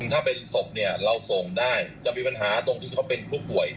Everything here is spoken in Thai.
ถ้าเป็นศพเนี่ยเราส่งได้จะมีปัญหาตรงที่เขาเป็นผู้ป่วย